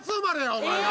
お前な。